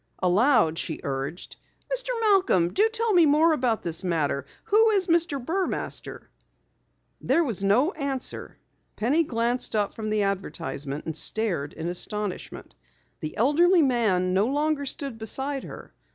Aloud she urged: "Mr. Malcom, do tell me more about the matter. Who is Mr. Burmaster?" There was no answer. Penny glanced up from the advertisement and stared in astonishment. The elderly man no longer stood beside her.